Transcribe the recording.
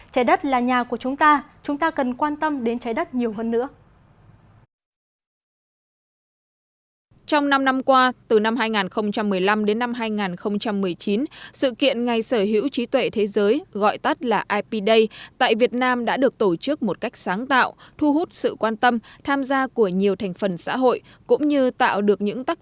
trái đất là nhà của chúng ta chúng ta cần quan tâm đến trái đất nhiều hơn nữa